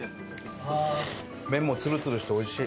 麺もツルツルしておいしい。